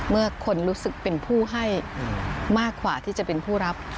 เมื่อคนรู้สึกเป็นผู้ให้มากกว่าที่จะเป็นผู้รับ